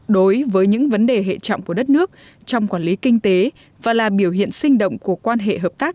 đối với những vấn đề hệ trọng của đất nước trong quản lý kinh tế và là biểu hiện sinh động của quan hệ hợp tác